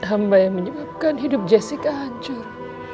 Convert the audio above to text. hamba yang menyebabkan hidup jessica hancur